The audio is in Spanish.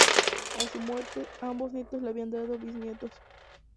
A su muerte, ambos nietos le habían dado bisnietos.